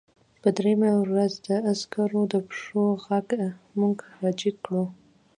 په درېیمه ورځ د عسکرو د پښو غږ موږ راجګ کړو